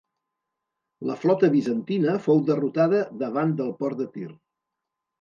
La flota bizantina fou derrotada davant del port de Tir.